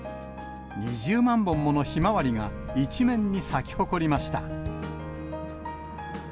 ２０万本ものひまわりが一面に咲き誇りました。